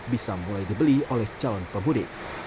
bisa mulai dibeli oleh calon pemudik